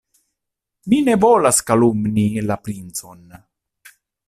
Mi ne volas kalumnii la princon.